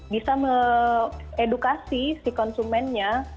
bisa me edukasi si konsumennya